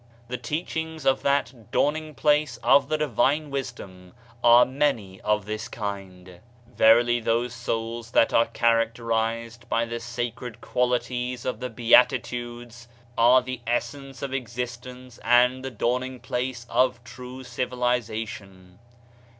The teachings of that Dawning place of the divine wisdom are many of this kind. Verily those souls that arc characterized by the 93 Digitized by Google MYSTERIOUS FORCES sacred qualities of the Beatitudes are the essence of existence and the dawning place of true civili zation.